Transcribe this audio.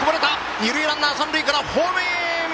二塁ランナー三塁からホームイン！